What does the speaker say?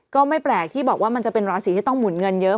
ก็ไม่แปลกที่บอกว่ามันจะเป็นราศีที่ต้องหมุนเงินเยอะ